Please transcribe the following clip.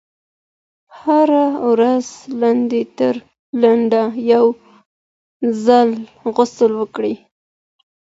هره ورځ لږ تر لږه یو ځل غسل وکړئ.